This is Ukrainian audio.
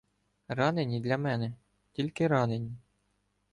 — Ранені для мене — тільки ранені.